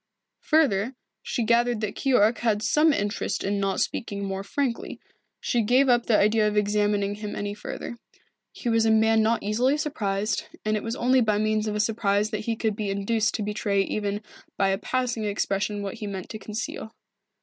Further, she gathered that Keyork had some interest in not speaking more frankly. She gave up the idea of examining him any further. He was a man not easily surprised, and it was only by means of a surprise that he could be induced to betray even by a passing expression what he meant to conceal.